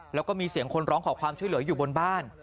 แล้วก็มีเสียงคนร้องขอความช่วยเหลืออยู่บนบ้าน